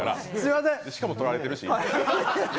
しかも取られてるし。